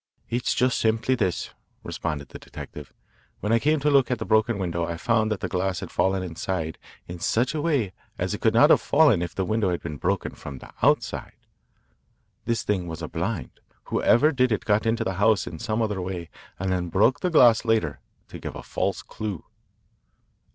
"It's just simply this," responded the detective. "When I came to look at the broken window I found that the glass had fallen outside in such a way as it could not have fallen if the window had been broken from the outside. The thing was a blind. Whoever did it got into the house in some other way and then broke the glass later to give a false clue.